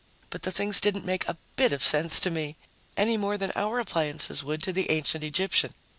But the things didn't make a bit of sense to me ... any more than our appliances would to the ancient Egyptian.